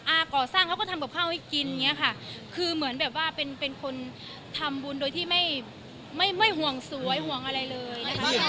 อาก่อสร้างเขาก็ทำกับข้าวให้กินคือเหมือนเป็นคนทำบุญโดยที่ไม่ห่วงสวยห่วงอะไรเลย